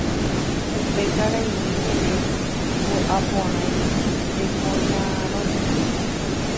Upe karaimi ñe'ẽ ndo'aporãi Tekoñarõme